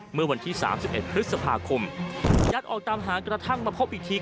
เมื่อวันที่๓๑พฤษภาคมยัดออกตามหากระทั่งมาพบอีกที